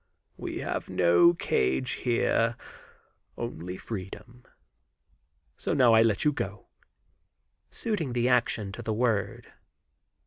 "We have no cage here, only freedom; so now I let you go," suiting the action to the word.